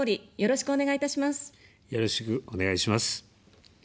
よろしくお願いします。